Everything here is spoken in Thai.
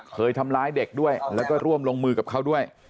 เคยทำร้ายเด็กด้วยแล้วก็ร่วมลงมือกับเขาด้วย